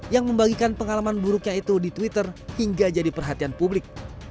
yang membagikan pengalaman buruknya itu di twitter hingga jadi perhatian publik